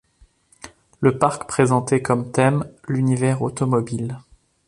Le parc présentait comme thème l'univers automobile.